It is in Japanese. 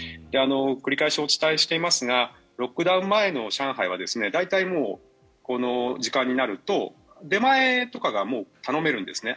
繰り返しお伝えしていますがロックダウン前の上海は大体この時間になると出前とかが頼めるんですね。